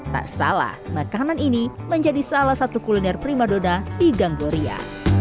tak salah makanan ini menjadi salah satu kuliner primadona di ganggoria